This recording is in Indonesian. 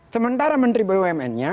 sementara menteri bumn nya